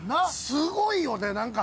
すごいよね何か。